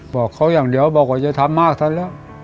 บอกเขาอย่างเดียวบอกว่าอย่าทำมากซะแล้ว